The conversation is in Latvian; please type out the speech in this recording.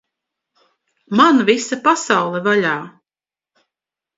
Man visa pasaule vaļā!